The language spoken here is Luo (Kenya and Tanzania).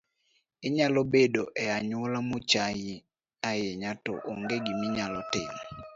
Inyalo bedo e anyuola maochaii ahinya to ong’e gima inyalo timo